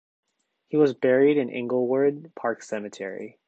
He was buried in Inglewood Park Cemetery.